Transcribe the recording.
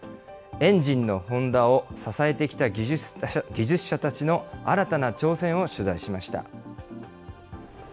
エンジンのホンダを支えてきた技術者たちの新たな挑戦を取材しました。